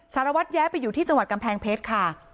สารวัตรแย้ไปอยู่ที่จังหวัดกำแพงเพชรค่ะ